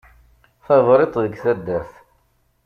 Tabriṭ deg taddart.